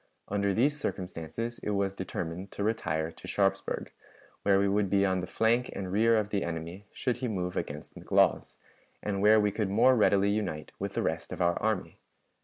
Under these circumstances it was determined to retire to Sharpsburg, where we would be on the flank and rear of the enemy should he move against McLaws, and where we could more readily unite with the rest of our army.